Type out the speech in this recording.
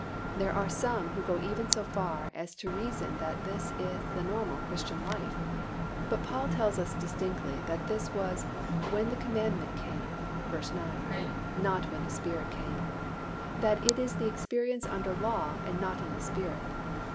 There are some who even go so far as to reason that this is the normal Christian life, but Paul tells us distinctly that this was "when the commandment came" (v. 9), not when the Spirit came; that it is the experience under law and not in the Spirit.